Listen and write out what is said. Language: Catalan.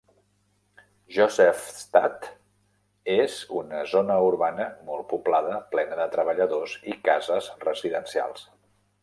Josefstadt és una zona urbana molt poblada plena de treballadors i cases residencials.